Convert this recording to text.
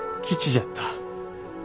じゃった。